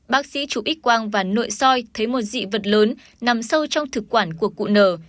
bác sĩ chủ ích quang và nội soi thấy một dị vật lớn nằm sâu trong thực quản của cụ nờ